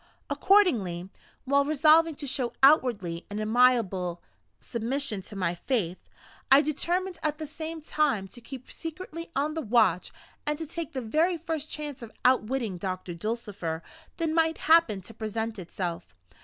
Accordingly, while resolving to show outwardly an amiable submission to my fate, I determined at the same time to keep secretly on the watch, and to take the very first chance of outwitting Doctor Dulcifer that might happen to present itself.